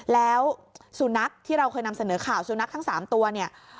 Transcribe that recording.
แล้วสุนัขที่เราเคยนำเสนอข่าวสุนัขทั้ง๓ตัวเนี่ย